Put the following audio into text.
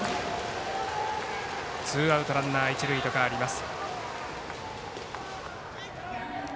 ツーアウトランナー、一塁と代わります。